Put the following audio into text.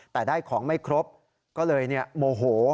แต่ได้ของไม่ครบก็เลยโมโห